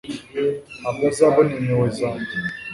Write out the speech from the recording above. ntabwo uzabona impuhwe zanjye